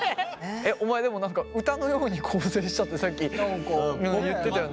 お前でも何か歌のように構成したってさっき言ってたよね。